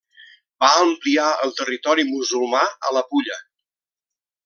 Va ampliar el territori musulmà a la Pulla.